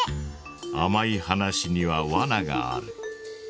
あまい話にはわながある。